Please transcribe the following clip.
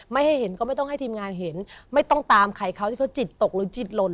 ไม่ให้เห็นก็ไม่ต้องให้ทีมงานเห็นไม่ต้องตามใครเขาที่เขาจิตตกหรือจิตหล่น